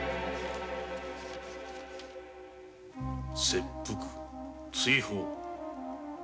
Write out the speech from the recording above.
切腹追放